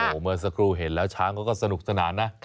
โอ้โหเมื่อสักครู่เห็นแล้วช้างก็ก็สนุกสนานนะค่ะ